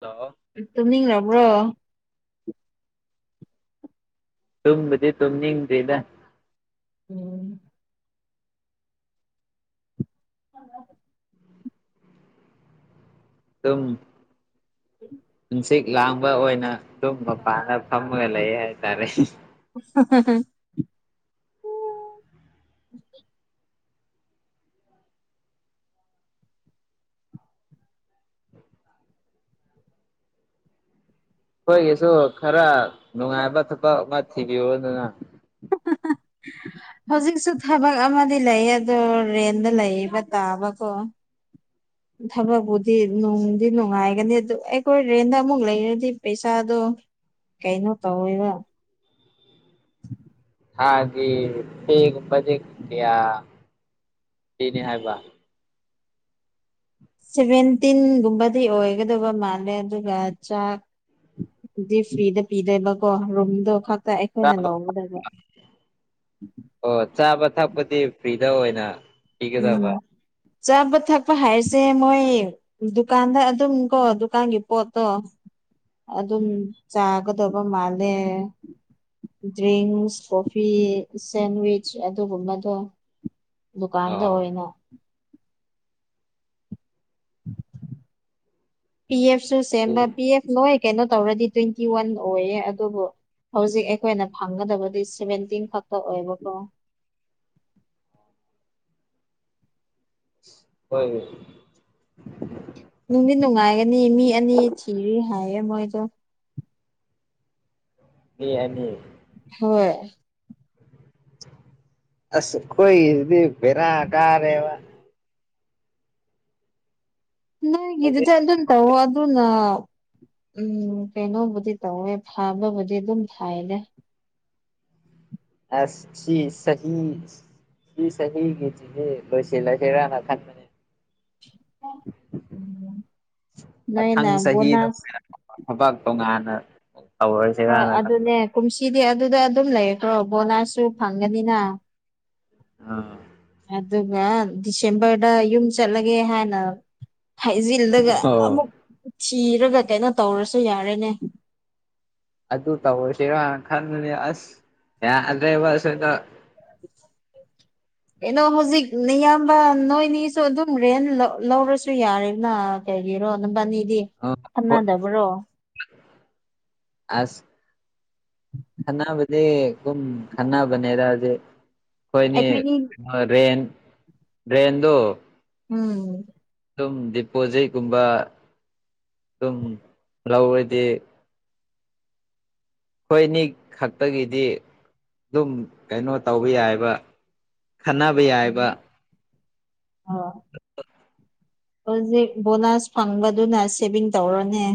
Hello ꯇꯨꯝꯅꯤꯡꯂꯕ꯭ꯔꯣ ꯇꯨꯝꯕꯗꯤ ꯇꯅꯤꯡꯗꯦꯗ ꯎꯝ ꯍꯜꯂꯒꯦ ꯑꯥꯎꯝ ꯎ [unintelligible] ꯍꯟꯁꯤꯛ ꯂꯥꯡꯕ ꯑꯣꯏꯅ ꯑꯗꯨꯝ ꯃꯄꯥꯟꯗ ꯐꯝꯃꯒ ꯂꯩ ꯍꯥꯏꯇꯥꯔꯦ [unintelligible] [inaudible] ꯑꯩꯈꯣꯏꯒꯤꯁꯨ ꯈꯔ ꯅꯨꯡꯉꯥꯏꯕ ꯊꯕꯛ ꯑꯃ ꯊꯤꯕꯤꯌꯨ ꯗꯅ [unintelligible] ꯍꯧꯖꯤꯛꯁꯨ ꯊꯕꯛ ꯑꯃꯗꯤ ꯂꯩ ꯑꯗꯣ ꯔꯦꯟꯗ ꯂꯩꯕ ꯇꯥꯕꯀꯣ [unintelligible] ꯊꯕꯛꯄꯨꯗꯤ ꯅꯨꯡꯗꯤ ꯅꯨꯡꯉꯥꯏꯒꯅꯤ ꯑꯗꯨ ꯑꯩꯈꯣꯏ ꯔꯦꯟꯗ ꯑꯃꯨꯛ ꯂꯩꯔꯗꯤ ꯄꯩꯁꯥꯗꯣ ꯀꯩꯅꯣ ꯇꯧꯋꯤꯕ ꯊꯒꯤ ꯐ [unintelligible] ꯀꯌꯥ ꯄꯤꯅꯤ ꯍꯥꯏꯕ ꯁꯦꯚꯦꯟꯇꯤꯟꯒꯨꯝꯕꯗꯤ ꯑꯣꯏꯒꯗꯕ ꯃꯥꯜꯂꯦ ꯑꯗꯨꯒ ꯆꯥꯛ [unintelligible] ꯐ꯭ꯔꯤꯗ ꯄꯤꯗꯦꯕꯀꯣ ꯔꯨꯝꯗꯣ ꯈꯛ ꯑꯩꯈꯣꯏꯅ ꯆꯥꯕ ꯂꯧꯒꯗꯕ ꯑꯣ ꯆꯥꯕ ꯊꯛꯄꯗꯤ ꯐ꯭ꯔꯤꯗ ꯑꯣꯏꯅ ꯎꯝ ꯄꯤꯒꯗꯕ ꯆꯥꯕ ꯊꯛꯄ ꯍꯥꯏꯁꯦ ꯃꯣꯏ ꯗꯨꯀꯥꯟꯗ ꯑꯗꯨꯝ ꯀꯣ ꯗꯨꯀꯥꯟꯒꯤ ꯄꯣꯠꯇꯣ ꯑꯗꯨꯝ ꯆꯥꯒꯗꯕ ꯃꯥꯜꯂꯦ ꯗ꯭ꯔꯤꯡꯁ ꯀꯣꯐꯤ ꯁꯦꯟꯋꯥꯆ ꯑꯗꯨꯒꯨꯝꯕꯗꯣ ꯗꯨ ꯀꯥꯟꯗ ꯑꯣ ꯑꯣꯏꯅ ꯄꯤ ꯑꯦꯐꯁꯨ ꯁꯦꯝꯕ ꯄꯤ ꯑꯦꯐ ꯅꯣꯏ ꯀꯩꯅꯣ ꯇꯧꯔꯗꯤ ꯇꯣꯏꯇꯤꯋꯥꯟ ꯑꯣꯏꯌꯦ ꯑꯗꯨꯕꯨ ꯍꯧꯖꯤꯛ ꯑꯩꯈꯣꯏꯅ ꯐꯪꯒꯗꯕꯗꯤ ꯁꯦꯚꯦꯟꯇꯤꯟ ꯈꯛꯇ ꯑꯣꯏꯕꯀꯣ ꯍꯣꯏ ꯅꯨꯡꯗꯤ ꯅꯨꯡꯉꯥꯏꯒꯅꯤ ꯃꯤ ꯑꯅꯤ ꯊꯤꯔꯤ ꯍꯥꯏꯌꯦ ꯃꯣꯏꯗꯣ ꯃꯤ ꯑꯅꯤ ꯍꯣꯏ ꯑꯁ ꯈꯣꯏꯗꯤ ꯕꯦꯔꯥ ꯀꯥꯔꯦꯕ ꯍꯧꯖꯤꯛ ꯅꯣꯏꯒꯤꯗꯨꯗ ꯑꯗꯨꯝ ꯇꯧꯑꯣ ꯑꯗꯨꯅ ꯎꯝ ꯀꯩꯅꯣꯕꯨꯗꯤ ꯇꯧꯋꯦ ꯐꯥꯕꯕꯨꯗꯤ ꯑꯗꯨꯝ ꯐꯩꯗ ꯑꯁ ꯁꯤ ꯆꯍꯤ ꯁꯤ ꯆꯍꯤꯒꯤꯁꯤꯗꯤ ꯂꯣꯏꯁꯤꯜꯂꯁꯤꯔꯅ ꯈꯟꯕꯅꯦ ꯅꯣꯏꯅ ꯃꯊꯪ ꯆꯍꯤꯗ ꯕꯣꯅꯥꯁ ꯊꯕꯛ ꯇꯣꯉꯥꯟꯅ ꯍꯣꯏ ꯇꯧꯔꯁꯤꯔꯅ ꯈꯟꯕ ꯑꯗꯨꯅꯦ ꯀꯨꯝꯁꯤꯗꯤ ꯑꯗꯨꯗ ꯑꯗꯨꯝ ꯂꯩꯈꯔꯣ ꯕꯣꯅꯥꯁꯁꯨ ꯐꯪꯒꯅꯤꯅ ꯑꯥ ꯑꯗꯨꯒ ꯗꯤꯁꯦꯝꯕꯔꯗ ꯌꯨꯝ ꯆꯠꯂꯒꯦ ꯍꯥꯏꯅ ꯍꯥꯏꯖꯤꯜꯂꯒ ꯑꯣ ꯑꯃꯨꯛ ꯊꯤꯔꯒ ꯀꯩꯅꯣ ꯇꯧꯔꯁꯨ ꯌꯥꯔꯦꯅꯦ ꯑꯗꯨ ꯇꯧꯔꯁꯤꯔꯥꯅ ꯈꯟꯕꯅꯦ ꯑꯁ ꯌꯥꯗ꯭ꯔꯦꯕ ꯑꯁꯤꯗ [unintelligible] ꯀꯩꯅꯣ ꯍꯧꯖꯤꯛ ꯅꯌꯥꯝꯕ ꯅꯣꯏꯅꯤꯁꯨ ꯑꯗꯨꯝ ꯔꯦꯟ ꯂꯧꯔꯁꯨ ꯌꯥꯔꯦꯅ ꯀꯩꯒꯤꯔꯣ ꯅꯕꯅꯤꯗꯤ ꯑꯥ ꯍꯣꯏ ꯑꯁ ꯎꯝ [unintelligible] ꯈꯟꯅꯕꯗꯤ ꯀꯨꯝ ꯈꯟꯅꯕꯅꯦꯗ ꯍꯧꯖꯤꯛ ꯑꯩꯈꯣꯏꯅꯤ ꯑꯩꯈꯣꯏꯅꯤ ꯔꯦꯟ ꯔꯦꯟꯗꯣ ꯎꯝ ꯗꯨꯝ ꯗꯤꯄꯣꯖꯤꯠꯀꯨꯝꯕ ꯑꯗꯨꯝ ꯂꯧꯔꯗꯤ ꯈꯣꯏꯅꯤ ꯈꯛꯇꯒꯤꯗꯤ ꯗꯨꯝ ꯀꯩꯅꯣ ꯇꯧꯕ ꯌꯥꯏꯕ ꯈꯅ [unintelligible] ꯍꯨꯖꯤꯛ ꯕꯣꯅꯥꯁ ꯐꯪꯕꯗꯨꯅ ꯁꯦꯚꯤꯡ ꯇꯧꯔꯅꯦ꯫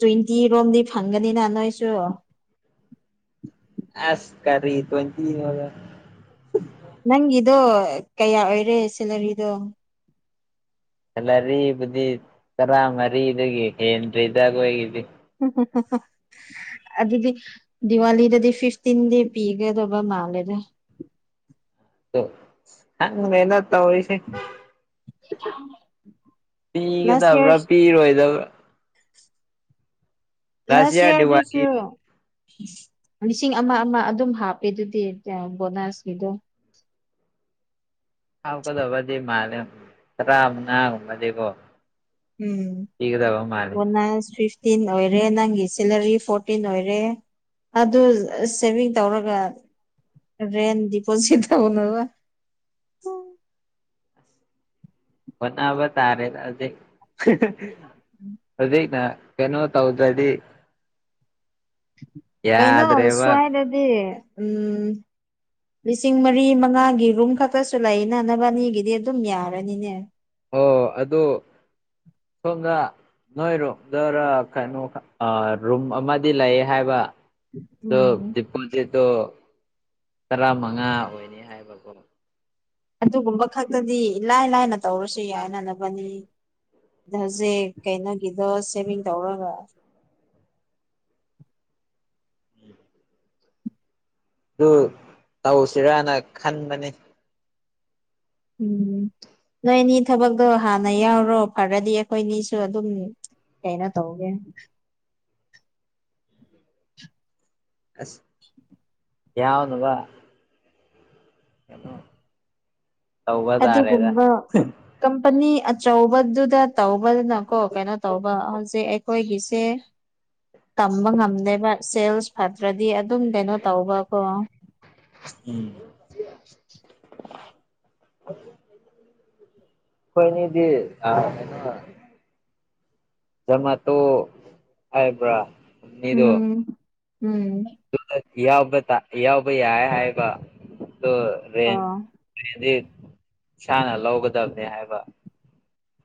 ꯇ꯭ꯋꯦꯟꯇꯤ ꯔꯣꯝꯗꯤ ꯐꯪꯒꯅꯤꯅ ꯅꯣꯏꯁꯨ꯫ ꯑꯁ ꯀꯔꯤ ꯇ꯭ꯋꯦꯟꯇꯤ ꯅꯣꯗ ꯅꯪꯒꯤꯗꯣ ꯀꯌꯥ ꯑꯣꯏꯔꯦ ꯁꯦꯂꯔꯤꯗꯣ? ꯁꯦꯂꯔꯤꯕꯨꯗꯤ ꯇꯔꯥꯃꯔꯤꯗꯒꯤ ꯍꯦꯟꯗ꯭ꯔꯤꯗ ꯑꯈꯣꯏꯒꯤꯗꯤ꯫ [unintelligible] ꯑꯗꯨꯗꯤ ꯗꯤꯋꯥꯂꯤꯗꯗꯤ ꯐꯤꯐꯇꯤꯟꯗꯤ ꯄꯤꯒꯗꯧꯕ ꯃꯥꯜꯂꯦꯗ꯫ ꯗꯣ ꯈꯪꯗ꯭ꯔꯦꯗ ꯇꯧꯔꯤꯁ ꯂꯥꯁ ꯏꯌꯥꯔ ꯄꯤꯒꯗꯕ꯭ꯔꯥ ꯄꯤꯔꯣꯏꯗꯕ꯭ꯔꯥ ꯂꯥꯁ ꯏꯌꯥꯔ ꯗꯤꯋꯥꯂꯤ ꯏꯌꯥꯔꯗꯁꯨꯔꯣ ꯂꯤꯁꯤꯡ ꯑꯃ ꯑꯃ ꯑꯗꯨꯝ ꯍꯥꯞꯄꯤꯗꯨꯗꯤ ꯕꯣꯅꯁꯀꯤꯗꯣ ꯍꯥꯞꯀꯗꯕꯗꯤ ꯃꯥꯜꯂꯦ ꯇꯔꯥꯃꯉꯥ ꯒꯨꯝꯕꯗꯤ ꯀꯣ ꯫ ꯎꯝ ꯕꯣꯅꯥꯁ ꯐꯤꯐ ꯇꯤꯟ ꯑꯣꯏꯔꯦ ꯅꯪꯒꯤ ꯁꯦꯂꯔꯤ ꯐꯣꯔꯇꯤꯟ ꯑꯣꯏꯔꯦ ꯑꯗꯨ ꯁꯦꯚꯤꯡ ꯇꯧꯔꯒ ꯔꯦꯟ ꯗꯤꯄꯣꯖꯤꯠ ꯇꯧꯅꯕ ꯍꯣꯠꯅꯕ ꯇꯥꯔꯦ ꯑꯗꯨꯗꯤ ꯍꯨꯖꯤꯛꯅ ꯀꯩꯅꯣ ꯇꯧꯗꯗꯤ ꯀꯩꯅꯣ ꯌꯥꯗ꯭ꯔꯦꯕ ꯁ꯭ꯋꯥꯏꯗꯗꯤ ꯎꯝ ꯂꯤꯁꯤꯡ ꯃꯔꯤ ꯃꯉꯥꯒꯤ ꯔꯨꯝ ꯈꯛꯇꯁꯨ ꯂꯩꯅ ꯑꯕꯥꯅꯤꯒꯤꯗꯤ ꯑꯗꯨꯝ ꯌꯥꯔꯅꯤꯅꯦ꯫ ꯑꯣ ꯑꯗꯨ ꯁꯣꯝꯗ ꯅꯣꯏꯔꯣꯝꯗꯔ ꯀꯩꯅꯣ ꯑꯥ ꯔꯨꯝ ꯑꯃꯗꯤ ꯂꯩ ꯍꯥꯏꯕ꯫ ꯗꯣ ꯎꯝ ꯗꯤꯄꯣꯖꯤꯠꯇꯣ ꯇꯔꯥ ꯃꯉꯥ ꯑꯣꯏꯅꯤ ꯍꯥꯏꯕꯀꯣ ꯑꯗꯨꯒꯨꯝꯕ ꯈꯛꯇꯗꯤ ꯂꯥꯏ ꯂꯥꯏꯅ ꯇꯧꯔꯁꯨ ꯌꯥꯏꯅ ꯅꯕꯅꯤ ꯍꯧꯖꯤꯛ ꯀꯩꯅꯣꯒꯤꯗꯣ ꯁꯦꯚꯤꯡ ꯇꯧꯔꯒ ꯗꯨ ꯇꯧꯁꯤꯔꯅ ꯈꯟꯕꯅꯤ꯫ ꯎꯝ ꯅꯣꯏꯅꯤ ꯊꯕꯛꯇꯣ ꯍꯥꯟꯅ ꯌꯥꯎꯔꯣ ꯐꯔꯗꯤ ꯑꯈꯣꯏꯅꯤꯁꯨ ꯑꯗꯨꯝ ꯀꯩꯅꯣ ꯇꯧꯒꯦ ꯑꯁ [unintelligible] ꯌꯥꯎꯅꯕ ꯇꯧꯕ ꯇꯥꯔꯦꯗ ꯑꯗꯨꯒꯨꯝꯕ ꯀꯝꯄꯅꯤ ꯑꯆꯧꯕꯗꯨꯗ ꯇꯧꯕꯅꯤꯅꯀꯣ ꯀꯩꯅꯣ ꯇꯧꯕ ꯍꯧꯖꯤꯛ ꯑꯩꯈꯣꯏꯒꯤꯁꯦ ꯇꯝꯕ ꯉꯝꯗꯦꯕ ꯁꯦꯜꯁ ꯐꯠꯇ꯭ꯔꯗꯤ ꯑꯗꯨꯝ ꯀꯩꯅꯣ ꯇꯧꯕ ꯀꯣ ꯎꯝ [unintelligible] ꯈꯣꯏ ꯅꯤꯗꯤ ꯑꯥ ꯀꯩꯅꯣ ꯖꯥꯃꯥꯇꯣ ꯍꯥꯏꯕ꯭ꯔꯥ ꯃꯤꯗꯣ ꯎꯝ ꯎꯝ ꯌꯥꯎꯕ ꯇꯥ ꯌꯥꯎꯕ ꯌꯥꯏ ꯍꯥꯏꯕ ꯗꯣ ꯔꯦꯟ ꯑꯣ ꯔꯦꯟꯗꯤ ꯏꯁꯥꯅ ꯂꯧꯒꯗꯕꯅꯦ ꯍꯥꯏꯕ꯫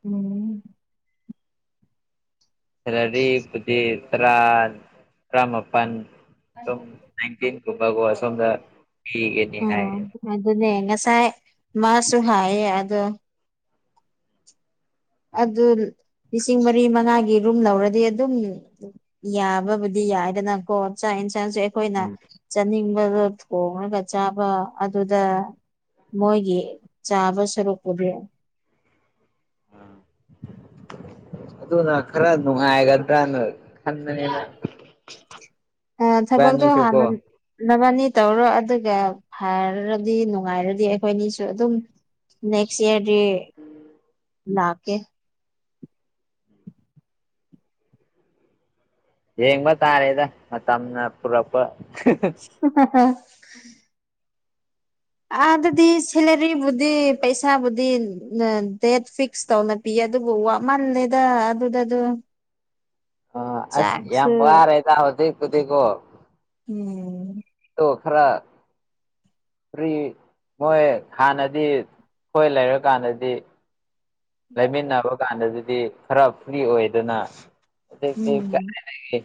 ꯎꯝ ꯈꯔꯥꯗꯤ ꯗꯨꯗꯤ ꯇ꯭ꯔꯥ ꯇ꯭ꯔꯃꯄꯟ ꯁꯝ ꯅꯥꯏꯟꯇꯤꯟꯒꯨꯝꯕꯀꯣ ꯑ ꯁꯣꯝꯗ ꯑꯩꯒꯅꯤ ꯍꯥꯏ ꯎꯝ ꯑꯗꯨꯅꯦ ꯉꯁꯥꯏ ꯃꯥꯁꯨ ꯍꯥꯏꯌꯦ ꯑꯗꯣ ꯑꯗꯨ ꯂꯤꯁꯤꯡ ꯃꯔꯤ ꯃꯉꯥꯒꯤ ꯔꯨꯝ ꯂꯧꯔꯗꯤ ꯑꯗꯨꯝ ꯌꯥꯕꯕꯨꯗꯤ ꯌꯥꯏꯗꯅꯀꯣ ꯆꯥꯛ ꯌꯦꯟꯁꯥꯡꯁꯨ ꯑꯩꯈꯣꯏꯅ ꯎꯝ ꯆꯥꯅꯤꯡꯕꯗꯣ ꯊꯣꯡꯉꯒ ꯆꯥꯕ ꯑꯗꯨꯗ ꯃꯣꯏꯒꯤ ꯆꯥꯕ ꯁꯔꯨꯛꯄꯨꯗꯤ ꯑꯗꯨꯅ ꯈꯔ ꯅꯨꯡꯉꯥꯏꯒꯗ꯭ꯔꯥꯅ ꯈꯟꯕꯅꯤꯅ ꯊꯕꯛꯇꯣ ꯏꯕꯥꯟꯅꯤꯁꯨꯀꯣ ꯍꯥꯟꯅ ꯅꯕꯥꯅꯤ ꯇꯧꯔꯣ ꯑꯗꯨꯒ ꯐꯔꯔꯗꯤ ꯅꯨꯡꯉꯥꯏꯔꯗꯤ ꯑꯩꯈꯣꯏ ꯑꯅꯤꯁꯨ ꯑꯗꯨꯝ ꯅꯦꯛꯁ ꯏꯌꯔ ꯗꯤ ꯂꯥꯥꯛꯀꯦ ꯌꯦꯡꯕ ꯇꯥꯔꯦꯗ ꯃꯇꯝꯅ ꯄꯨꯔꯛꯄ [unintelligible] ꯑꯥ ꯑꯗꯨꯗꯤ ꯁꯦꯂꯔꯤꯕꯨꯗꯤ ꯄꯩꯁꯥꯕꯨꯗꯤ ꯗꯦꯠ ꯐꯤꯛꯁ ꯇꯧꯅ ꯄꯤ ꯑꯗꯨꯕꯨ ꯋꯥꯃꯜꯂꯦꯗ ꯑꯗꯨꯗ ꯑꯗꯨ ꯑ ꯑꯁ ꯌꯥꯝ ꯆꯥꯛꯁꯨ ꯋꯔꯦꯗꯥ ꯍꯧꯖꯤꯛ ꯄꯨꯗꯤꯀꯣ ꯎꯝ ꯑꯗ‌ꯣ ꯈꯔ ꯐꯔꯤ ꯃꯣꯏ ꯍꯥꯟꯅꯗꯤ ꯑꯩꯈꯣꯏ ꯂꯩꯔꯀꯥꯟꯗꯗꯤ ꯂꯩꯃꯤꯟꯅꯕ ꯀꯥꯟꯗꯗꯤ ꯈꯔ ꯐ꯭ꯔꯤ ꯑꯣꯏꯗꯅ ꯎꯝ ꯍꯧꯖꯤꯛꯇꯤ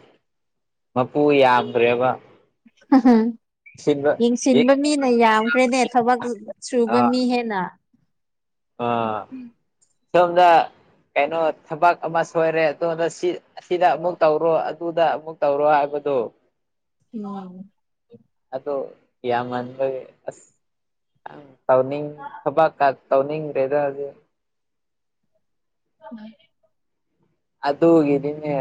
ꯃꯄꯨ ꯌꯥꯝꯗ꯭ꯔꯦꯕ ꯎꯝ ꯌꯦꯡꯁꯤꯟꯕ ꯃꯤꯅ ꯌꯥꯝꯈ꯭ꯔꯦꯅꯦ ꯊꯕꯛ ꯁꯨꯕ ꯃꯤ ꯍꯦꯟꯅ ꯑ ꯁꯣꯝꯗ ꯀꯩꯅꯣ ꯊꯕꯛ ꯑꯃ ꯁꯣꯏꯔꯦ ꯑꯣꯝꯗ ꯁꯤ ꯑꯁꯤꯗ ꯑꯃꯨꯛ ꯇꯧꯔꯣ ꯑꯗꯨꯗ ꯑꯃꯨꯛ ꯇꯧꯔꯣ ꯍꯥꯏꯕꯗꯣ ꯎꯝ ꯑꯗꯣ ꯌꯥꯝꯃꯟꯂꯣꯏ ꯑꯁ ꯇꯥꯎꯅꯤꯡ ꯊꯕꯛ ꯀ ꯇꯧꯅꯤꯡꯗ‌ꯦꯗ ꯗꯨ ꯎꯝ ꯑꯗꯨꯒꯤꯗꯤꯅꯦ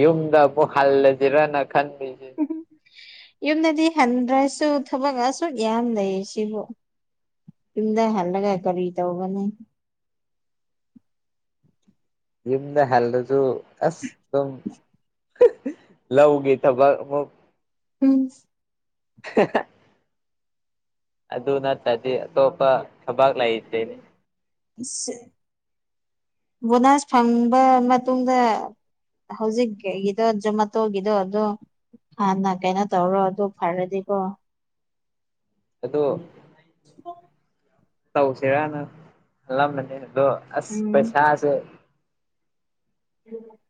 ꯌꯨꯝꯗ ꯑꯃꯨꯛ ꯍꯜꯂꯁꯤꯔꯅ ꯈꯟꯕꯤꯁꯦ ꯌꯨꯝꯗꯗꯤ ꯍꯟꯗ꯭ꯔꯁꯨ ꯊꯕꯛ ꯑꯁꯨꯛ ꯌꯥꯝ ꯂꯩꯔꯤ ꯁꯤꯕꯨ ꯀꯗ ꯍꯂꯒ ꯀꯔꯤ ꯇꯧꯒꯅꯤ ꯌꯨꯝꯗ ꯍꯜꯗꯨ ꯑꯁ ꯑꯗꯨꯝ ꯂꯧꯒꯦ ꯊꯕꯛ ꯑꯃꯨꯛ ꯎꯝ [unintelligible] ꯑꯗꯨ ꯅꯠꯇꯗꯤ ꯑꯇꯣꯞꯄ ꯊꯕꯛ ꯂꯩꯇꯦ ꯕꯣꯅꯥꯁ ꯐꯪꯕ ꯃꯇꯨꯡꯗ ꯍꯧꯖꯤꯛꯀꯤꯒꯤꯗꯣ ꯖꯣꯃꯥꯇꯣꯒꯤꯗꯣ ꯑꯗꯣ ꯍꯥꯟꯅ ꯀꯩꯅꯣ ꯇꯧꯔꯣ ꯑꯗꯨ ꯐꯔꯗꯤꯀꯣ ꯑꯗꯣ [unintelligible] ꯇꯧꯁꯤꯔꯅ ꯈꯜꯂꯝꯃꯅꯦ ꯑꯗꯣ ꯑꯁ ꯎꯝ ꯄꯩꯁꯥꯁꯦ [unintelligible]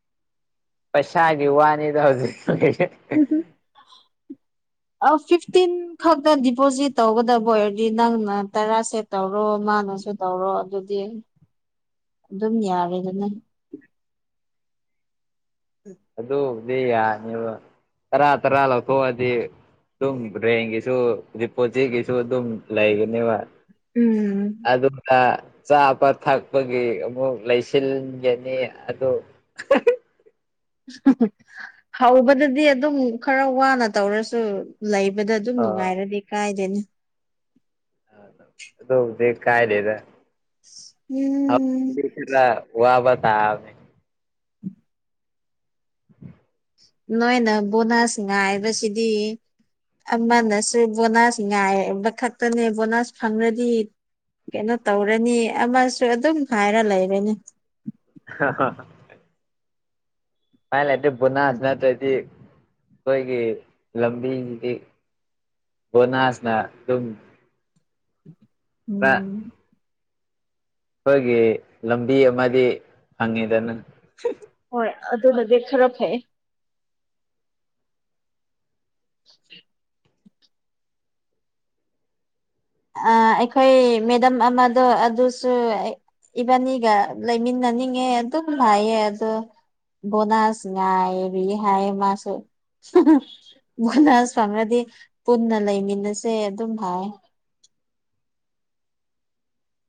ꯄꯩꯁꯥꯒꯤ ꯋꯥꯅꯤꯗ ꯍꯧꯖꯤꯛ [unintelligible] ꯑ ꯐꯤꯐꯇꯤꯟ ꯈꯛꯇ ꯗꯤꯄꯣꯖꯤꯠ ꯇꯧꯒꯗꯕ ꯑꯣꯏꯔꯗꯤ ꯅꯪꯅ ꯇꯔꯥꯥꯁꯦꯠ ꯇꯧꯔꯣ ꯃꯥꯅꯁꯨ ꯇꯧꯔꯣ ꯑꯗꯨꯗꯤ ꯑꯗꯨꯝ ꯌꯥꯔꯦ ꯑꯗꯨꯅ [unintelligible] ꯑꯗꯨꯕꯨꯗꯤ ꯌꯥꯅꯤꯕ ꯇꯔꯥ ꯇꯔꯥ ꯂꯧꯊꯣꯛꯑꯗꯤ ꯁꯝ ꯔꯦꯡꯒ ꯀꯁꯨ ꯄꯣꯠꯆꯦꯒꯤꯁꯨ ꯑꯗꯨꯝ ꯂꯩꯒꯅꯦꯕ ꯎꯝ ꯑꯗꯨꯗ ꯆꯥꯕ ꯊꯛꯄꯒꯤ ꯑꯃꯨꯛ ꯂꯩꯁꯤꯟꯒꯅꯤ ꯑꯗꯨ ꯍꯧꯕꯗꯗꯤ ꯑꯗꯨꯝ ꯈꯔ ꯋꯥꯅ ꯇꯧꯔꯁꯨ ꯂꯩ ꯍꯥꯏꯕꯗ ꯑꯗꯨꯝ ꯑꯥ ꯅꯨꯡꯉꯥꯏꯔꯗꯤ ꯀꯥꯏꯗꯦꯅ ꯑꯗꯨꯕꯨꯗꯤ ꯀꯥꯏꯗ‌ꯦꯗ ꯎꯝ ꯋꯥꯕꯇꯥꯕꯅꯤ [inaudible] ꯅꯣꯏꯅ ꯕꯣꯅꯥꯁ ꯉꯥꯏꯕꯁꯤꯗꯤ ꯑꯃꯅꯁꯨ ꯕꯣꯅꯥꯁ ꯉꯥꯏꯕ ꯈꯛꯇꯅꯦ ꯕꯣꯅꯥꯁ ꯐꯪꯔ꯭ꯔꯗꯤ ꯀꯩꯅꯣ ꯇꯧꯔꯅꯤ ꯑꯃꯁꯨ ꯑꯗꯨꯝ ꯍꯥꯏꯔ ꯂꯩꯔꯅꯤ [unintelligible] ꯍꯥꯏꯥꯏ ꯂꯩꯗꯦ ꯕꯨꯣꯅꯥꯁ ꯅꯠꯇ꯭ꯔꯗꯤ ꯑꯩꯈꯣꯏꯒꯤ ꯂꯝꯕꯤꯁꯤꯗꯤ ꯕ‌ꯣꯅꯥꯥꯁꯅꯥ ꯗꯨꯝ [inaudible] [unintelligible] [unintelligible] ꯑꯩꯈꯣꯏꯒꯤ ꯂꯝꯕꯤ ꯑꯃꯗꯤ ꯐꯪꯉꯤꯗꯅ ꯍꯣꯏ ꯑꯗꯨ ꯍꯧꯖꯤꯛ ꯆꯨꯔꯨꯞ ꯊꯛꯏ [unintelligible] ꯑ ꯑꯩꯈꯣꯏ ꯃꯦꯗꯝ ꯑꯃꯗꯣ ꯑꯗꯨꯁꯨ ꯏꯕꯥꯅꯤꯒ ꯂꯩꯃꯤꯟꯅꯅꯤꯡꯉꯦ ꯑꯗꯨꯝ ꯍꯥꯏꯌꯦ ꯑꯗꯣ ꯕꯣꯅꯁ ꯉꯥꯏꯔꯤꯋ‌ꯦ ꯍꯥꯏ ꯃꯥꯁꯨ ꯕꯣꯅꯁ ꯐꯪꯉꯗꯤ ꯄꯨꯟꯅ ꯂꯩꯃꯤꯟꯅꯁꯦ ꯑꯗꯨꯝ ꯍꯥꯏ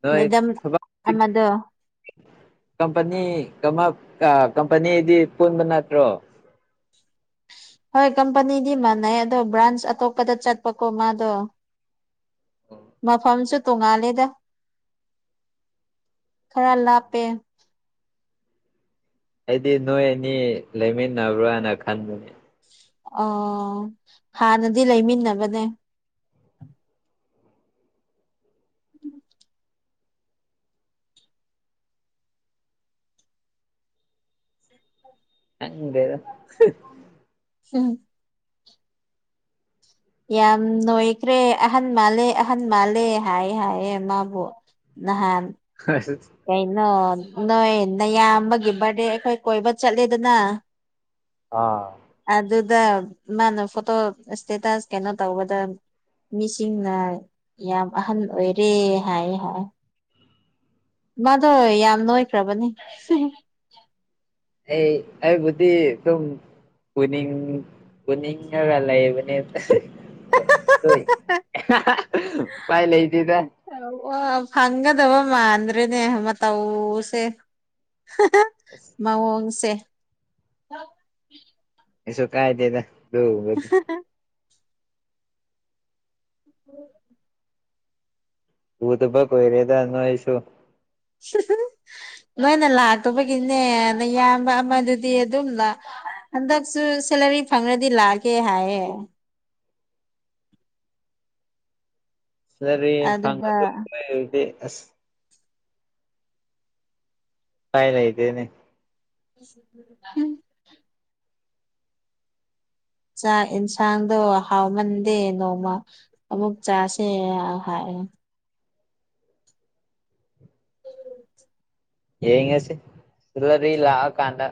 ꯅꯣꯏ ꯃꯦꯗꯝ ꯊꯕꯛꯇꯤ ꯑꯃꯗꯣ ꯀꯝꯄꯅꯤ ꯀꯝꯄꯅꯤꯗꯤ ꯄꯨꯟꯕ ꯅꯠꯇ꯭ꯔꯣ ꯍꯣꯏ ꯀꯝꯄꯅꯤꯗꯤ ꯃꯥꯟꯅꯩ ꯑꯗꯣ ꯕ꯭ꯔꯥꯟꯁ ꯑꯇꯣꯞꯄꯗ ꯆꯠꯄꯀꯣ ꯃꯥꯗꯣ ꯃꯐꯝꯁꯨ ꯇꯣꯡꯉꯥꯂꯦꯗ ꯈꯔ ꯂꯥꯞꯄꯦ ꯑꯩꯗꯤ ꯅꯣꯏ ꯑꯅꯤ ꯂꯩꯃꯤꯟꯅꯕ꯭ꯔꯥ ꯍꯥꯏꯅ ꯈꯟꯕꯅꯦ ꯑꯣ ꯍꯥꯟꯅꯗꯤ ꯂꯩꯃꯤꯟꯅꯕꯅꯦ ꯈꯪꯗꯦꯗꯥ [unintelligible] ꯌꯥꯝ ꯅꯣꯏꯈ꯭ꯔꯦ ꯑꯍꯟ ꯃꯥꯜꯂꯦ ꯑꯍꯟ ꯃꯥꯜꯂꯦ ꯍꯥꯏ ꯍꯥꯏꯌꯦ ꯃꯥꯕꯨ ꯅꯍꯥꯟ [unintelligible] ꯀꯩꯅꯣ ꯅꯣꯏ ꯅꯌꯥꯝ ꯑꯃꯒꯤ ꯕꯥꯔꯗꯦ ꯑꯩꯈꯣꯏ ꯀꯣꯏꯕ ꯆꯠꯂꯦꯗꯅ [inaudible] ꯑꯥ ꯑꯗꯨꯗ ꯃꯥꯅ ꯐꯣꯇꯣ ꯏꯁꯇꯦꯇꯁ ꯀꯩꯅꯣ ꯇꯧꯕꯗ ꯃꯤꯁꯤꯡꯅ ꯌꯥꯝ ꯑꯍꯟ ꯑꯣꯏꯔꯦ ꯍꯥꯏ ꯍꯥꯏ ꯃꯥꯗꯣ ꯌꯥꯝ ꯅꯣꯏꯈ꯭ꯔꯕꯅꯤ꯫ ꯑꯩ ꯑꯩꯕꯨꯗꯤ ꯑꯗꯨ ꯄꯨꯅꯤꯡ ꯄꯨꯅꯤꯉꯒ ꯂꯩꯕꯅꯦ꯫ ꯎꯄꯥꯏ ꯂꯩꯇꯦꯗ꯫ ꯐꯪꯒꯗꯕ ꯃꯥꯟꯗ꯭ꯔꯦ ꯃꯇꯧꯁꯦ꯫ ꯃꯑꯣꯡꯁꯦ꯫ ꯀꯩꯁꯨ ꯀꯥꯏꯗꯦꯗ ꯑꯗꯨꯕꯨ꯫ ꯎꯗꯨꯕ ꯀꯨꯏꯔꯦꯗ ꯅꯣꯏꯁꯨ꯫ ꯅꯣꯏꯅ ꯂꯥꯛꯇꯕꯒꯤꯅꯦꯅ ꯅꯌꯥꯝꯕ ꯑꯃꯗꯨꯗꯤ ꯑꯗꯨꯝ ꯂꯥꯛ ꯍꯟꯗꯛꯁꯨ ꯁꯦꯂꯔꯤ ꯐꯪꯉ꯭ꯔꯗꯤ ꯂꯥꯛꯑꯀꯦ ꯍꯥꯏꯌꯦ꯫ ꯔꯤ ꯐꯥꯡꯉ ꯑꯗꯨꯒ ꯑ [unintelligible] ꯇꯥꯏꯂꯩꯗꯨꯏꯅꯦ꯫ [unintelligible] ꯆꯥꯛ ꯌꯦꯟꯁꯥꯡꯗꯣ ꯍꯥꯎꯃꯟꯗꯦ ꯅꯣꯡꯃ ꯑꯃꯨꯛ ꯆꯥꯁꯦ ꯍꯥꯏ ꯌꯦꯉꯁꯤ ꯂꯕꯤ ꯂꯛꯀꯥꯟꯗꯥ꯫